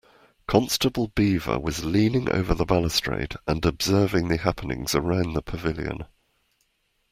Constable Beaver was leaning over the balustrade and observing the happenings around the pavilion.